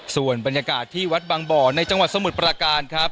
ส่วนบรรยากาศที่วัดบางบ่อในจังหวัดสมุทรประการครับ